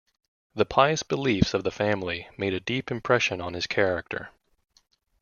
The pious beliefs of the family made a deep impression on his character.